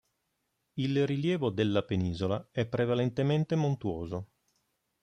Il rilievo della penisola è prevalentemente montuoso.